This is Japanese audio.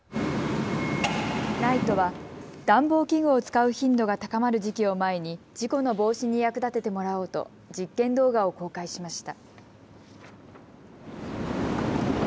ＮＩＴＥは暖房器具を使う頻度が高まる時期を前に事故の防止に役立ててもらおうと実験動画を公開しました。